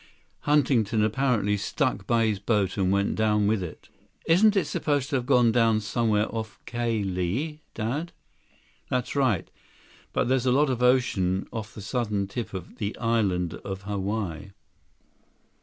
Huntington apparently stuck by his boat and went down with it." "Isn't it supposed to have gone down somewhere off Ka Lae, Dad?" "That's right. But there's a lot of ocean off the southern tip of the Island of Hawaii."